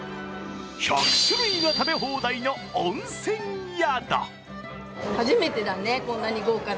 １００種類が食べ放題の温泉宿。